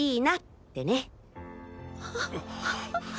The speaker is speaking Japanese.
ってね。